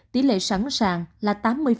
tỷ lệ sẵn sàng là tám mươi